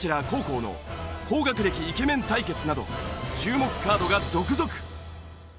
黄皓の高学歴イケメン対決など注目カードが続々！